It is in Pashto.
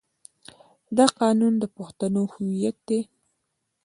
دا قانون د پښتنو هویت دی.